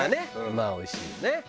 まあおいしいよね。